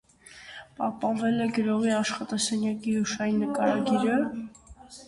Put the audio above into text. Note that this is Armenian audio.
Պահպանվել է գրողի աշխատասենյակի հուշային նկարագիրը։